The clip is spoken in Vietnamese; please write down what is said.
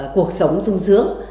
cuộc sống sung sướng